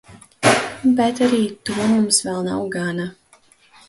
Bet arī ar to mums vēl nav gana.